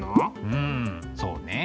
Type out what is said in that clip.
うんそうね。